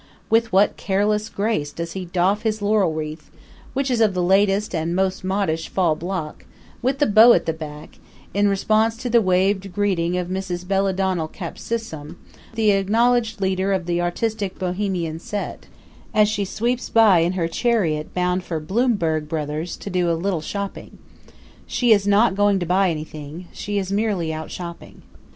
With what careless grace does he doff his laurel wreath, which is of the latest and most modish fall block, with the bow at the back, in response to the waved greeting of Mrs. Belladonna Capsicum, the acknowledged leader of the artistic and Bohemian set, as she sweeps by in her chariot bound for Blumberg Brothers' to do a little shopping. She is not going to buy anything she is merely out shopping.